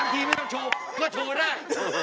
ทีไม่ต้องโชว์ก็โชว์ได้